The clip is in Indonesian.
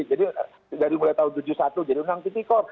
jadi dari mulai tahun seribu sembilan ratus tujuh puluh satu jadi undang titikor